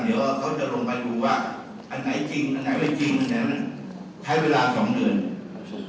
เดี๋ยวเขาจะลงมาดูว่าอันไหนจริงอันไหนไม่จริงอันนั้นใช้เวลา๒เดือน